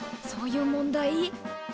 そういう問題？